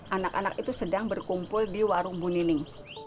anak anak itu sedang berkumpul di warung bu nining